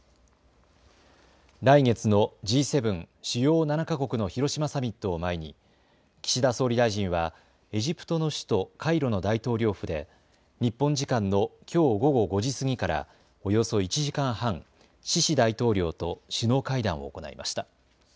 来月のＧ７・主要７か国の広島サミットを前に岸田総理大臣はエジプトの首都カイロの大統領府で日本時間のきょう午後５時過ぎからおよそ１時間半、シシ大統領と首脳会談を行いました。